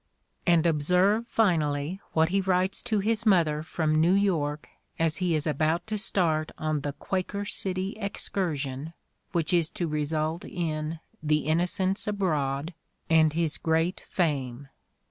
And observe, finally, what he writes to his mother In the Crucible 87 from New York as he is about to start on the Quaker City excursion which is to result in "The Innocents Abroad" and his great fame.